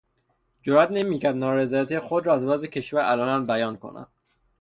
جرات نمیکرد نارضایتی خود را از وضع کشور علنا بیان کند.